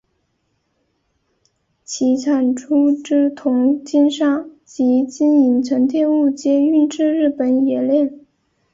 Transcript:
其产出之铜精砂及金银沉淀物皆运至日本冶炼。